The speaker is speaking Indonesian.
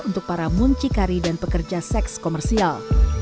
untuk para muncikari dan pekerja seks komersial